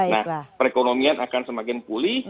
nah perekonomian akan semakin pulih